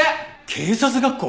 警察学校！？